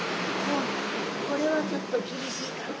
これはちょっと厳しいかな。